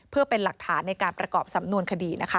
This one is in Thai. เพื่อเป็นหลักฐานในการประกอบสำนวนคดีนะคะ